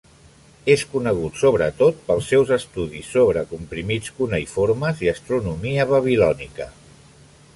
És conegut sobretot pels seus estudis sobre comprimits cuneïformes i astronomia babilònica.